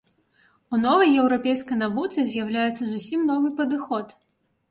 У новай еўрапейскай навуцы з'яўляецца зусім новы падыход.